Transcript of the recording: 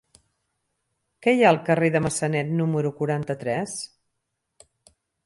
Què hi ha al carrer de Massanet número quaranta-tres?